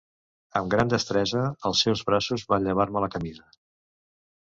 Amb gran destresa, els seus braços van llevar-me la camisa.